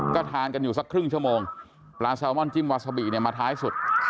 ก็ทานกันอยู่สักครึ่งชั่วโมงปลาแซลมอนจิ้มวาซาบิเนี่ยมาท้ายสุด